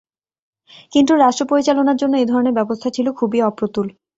কিন্তু রাষ্ট্র পরিচালনার জন্য এ ধরনের ব্যবস্থা ছিল খুবই অপ্রতুল।